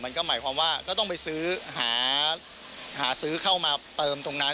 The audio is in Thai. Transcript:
ก็หมายความว่าก็ต้องไปซื้อหาซื้อเข้ามาเติมตรงนั้น